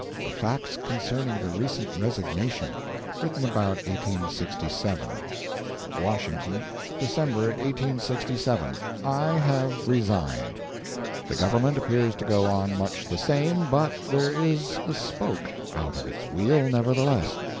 THE FACTS CONCERNING THE RECENT RESIGNATION [Written about 1867] WASHINGTON, December, 1867. I have resigned. The government appears to go on much the same, but there is a spoke out of its wheel, nevertheless.